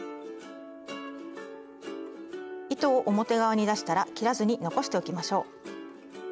糸を表側に出したら切らずに残しておきましょう。